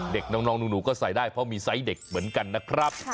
เด็กน้องหนูก็ใส่ได้เพราะมีไซส์เด็กเหมือนกันนะครับ